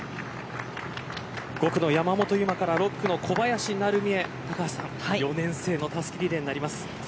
５区の山本有真から６区の小林成美へ４年生のたすきリレーになります。